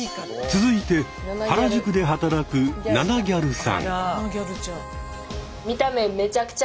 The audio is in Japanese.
続いて原宿で働くナナぎゃるさん。